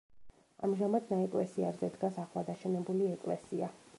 ამჟამად ნაეკლესიარზე დგას ახლადაშენებული ეკლესია.